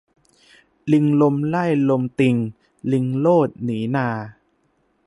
ลิงลมไล่ลมติง ลิงโลด หนีนา